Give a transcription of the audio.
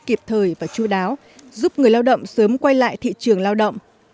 kịp thời và chú đáo giúp người lao động sớm quay lại thị trường lao động